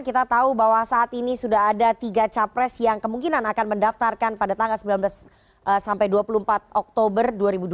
kita tahu bahwa saat ini sudah ada tiga capres yang kemungkinan akan mendaftarkan pada tanggal sembilan belas sampai dua puluh empat oktober dua ribu dua puluh